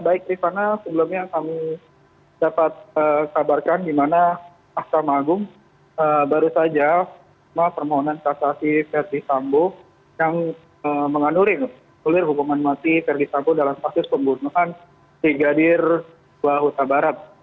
baik rikwana sebelumnya kami dapat kabarkan dimana mahkamah agung baru saja mempermohonan kasasi ferdi sambo yang mengandungi seluruh hukuman mati ferdi sambo dalam kasus pembunuhan brigadir yosua barat